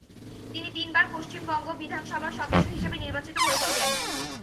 তিনি তিন বার পশ্চিমবঙ্গ বিধানসভার সদস্য হিসেবে নির্বাচিত হয়েছিলেন।